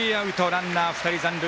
ランナー２人残塁。